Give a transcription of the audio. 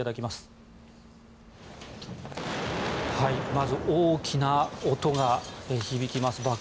まず、大きな音が響きます。